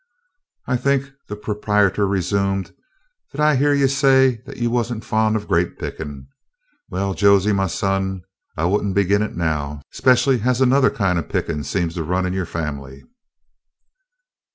"I think," the proprietor resumed, "that I hyeahed you say you was n't fond o' grape pickin'. Well, Josy, my son, I would n't begin it now, 'specially as anothah kin' o' pickin' seems to run in yo' fambly."